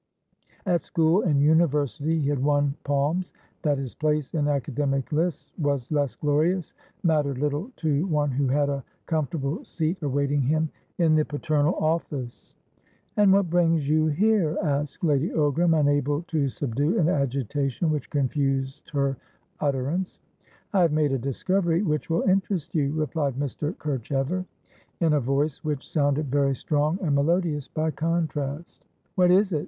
At school and University he had won palms; that his place in academic lists was less glorious mattered little to one who had a comfortable seat awaiting him in the paternal office. "And what brings you here?" asked Lady Ogram, unable to subdue an agitation which confused her utterance. "I have made a discovery which will interest you," replied Mr. Kerchever, in a voice which sounded very strong and melodious by contrast. "What is it?